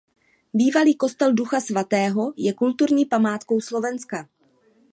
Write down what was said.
Bývalý kostel Ducha svatého je kulturní památkou Slovenska.